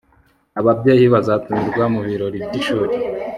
ababyeyi bazatumirwa mu birori by'ishuri